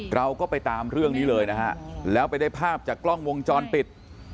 เราก็ไปตามเรื่องนี้เลยนะฮะแล้วไปได้ภาพจากกล้องวงจรปิด